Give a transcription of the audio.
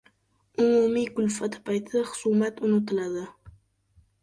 • Umumiy kulfat payti xusumatlar unutiladi.